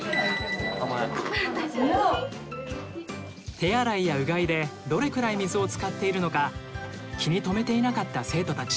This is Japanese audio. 手洗いやうがいでどれくらい水を使っているのか気にとめていなかった生徒たち。